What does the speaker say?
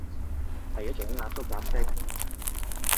係一種壓縮格式